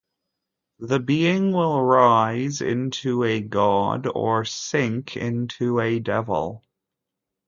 The being will rise into a god or sink into a devil.